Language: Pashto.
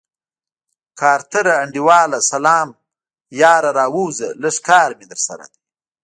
کارتره انډيواله سلام يره راووځه لږ کار مې درسره دی.